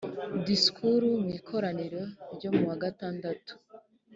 disikuru mu ikoraniro ryo mu wa gatandatu